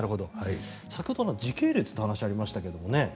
先ほどの時系列という話がありましたが。